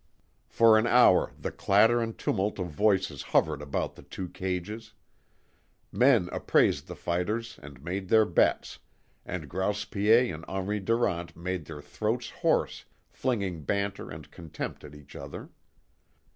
For an hour the clatter and tumult of voices hovered about the two cages. Men appraised the fighters and made their bets, and Grouse Piet and Henri Durant made their throats hoarse flinging banter and contempt at each other.